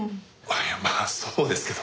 いやまあそうですけど。